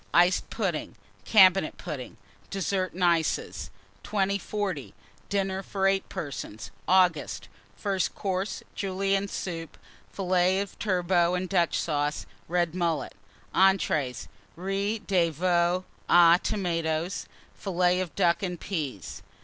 Iced Pudding. Cabinet Pudding. DESSERTS AND ICES. 2040. DINNER FOR 8 PERSONS (August). FIRST COURSE. Julienne Soup. Fillets of Turbot and Dutch Sauce. Red Mullet. ENTREES. Riz de Veau aux Tomates. Fillets of Ducks and Peas.